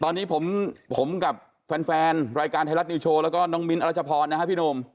ตอนนี้ผมกับแฟนรายการไทยรัฐนิวโชว์แล้วก็น้องมิ้นทรัชพรนะครับพี่หนุ่ม